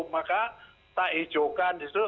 maka kita hijaukan disitu